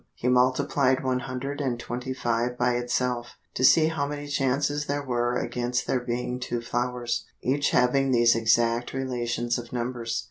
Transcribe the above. He multiplied one hundred and twenty five by itself, to see how many chances there were against there being two flowers, each having these exact relations of numbers.